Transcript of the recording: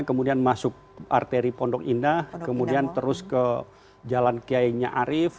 kemudian masuk arteri pondok indah kemudian terus ke jalan kiai nya arief